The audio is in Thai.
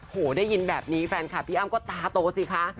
ได้ยินแบบนี้แฟนคลับพี่อ้ำก็ตาโตสิคะ